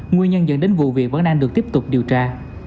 nguyên nhân dẫn đến vụ việc vẫn đang được tiếp tục điều tra